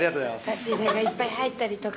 差し入れがいっぱい入ったりとか。